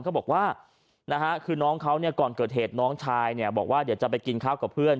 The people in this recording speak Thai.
เขาบอกว่าคือน้องเขาเนี่ยก่อนเกิดเหตุน้องชายเนี่ยบอกว่าเดี๋ยวจะไปกินข้าวกับเพื่อน